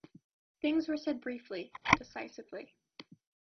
Things were said briefly, decisively.